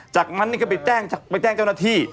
จากนั้นนี่ก็ไปแจ้งเจ้าหน้าที่